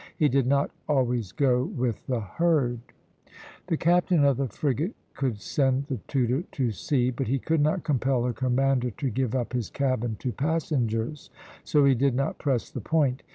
He did not always go with the herd." The captain of the frigate could send the Tudor to sea, but he could not compel her commander to give up his cabin to passengers, so he did not press the point.